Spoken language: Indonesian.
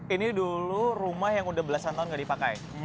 ini dulu rumah yang udah belasan tahun nggak dipakai